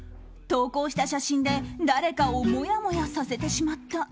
投稿した写真で誰かをもやもやさせてしまった。